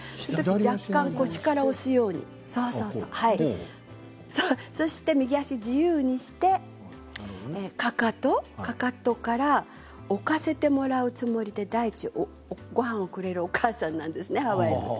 若干腰から押すようにそして右足を自由にしてかかとから置かせてもらうつもりでごはんをくれるお母さんなんですね、ハワイでいうと。